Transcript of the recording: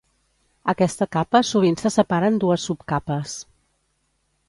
Aquesta capa sovint se separa en dues subcapes.